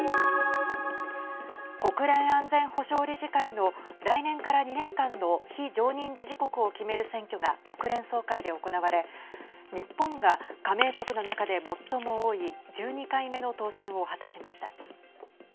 国連安全保障理事会の来年から２年間の非常任理事国を決める選挙が国連総会で行われ日本が、加盟国の中で最も多い１２回目の当選を果たしました。